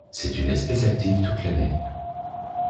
C'est une espèce active toute l'année.